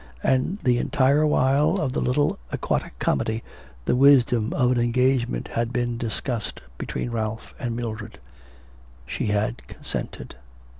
And the entire while of the little aquatic comedy the wisdom of an engagement had been discussed between Ralph and Mildred. She had consented.